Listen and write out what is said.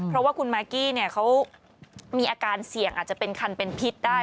เพราะว่าคุณมากกี้เนี่ยเขามีอาการเสี่ยงอาจจะเป็นคันเป็นพิษได้